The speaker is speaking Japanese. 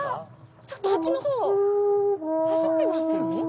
ちょっとあっちの方走ってません？